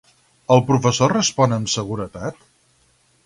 El professor respon amb seguretat?